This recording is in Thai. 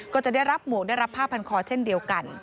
ก็จะได้รับหมวกได้รับผ้าพันคอเช่นเดียวกัน